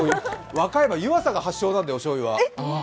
和歌山、湯浅が発祥なんだよ、おしょうゆは。